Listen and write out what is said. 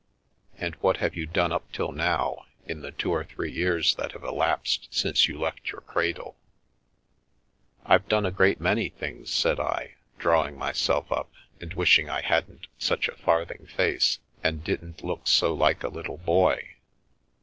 "And what have you done up till now, in the two or three years that have elapsed since you left your cradle?" " I've done a great many things," said I, drawing myself up, and wishing I hadn't such a farthing face and didn't look so like a little boy.